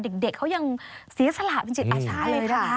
เด็กเขายังศีรษะหลากเป็นจิตอาสาเลยค่ะ